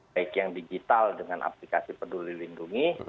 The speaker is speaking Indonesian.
baik yang digital dengan aplikasi peduli lindungi